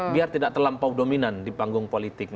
biar tidak terlampau dominan di panggung politik